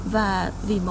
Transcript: và vì mọi người